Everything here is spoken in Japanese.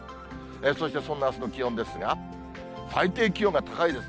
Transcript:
そして、そんなあすの気温ですが、最低気温が高いです。